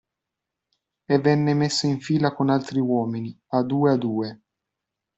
E venne messo in fila con altri uomini, a due a due.